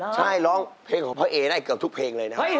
ใช่ร้องเพลงของพ่อเอได้เกือบทุกเพลงเลยนะครับ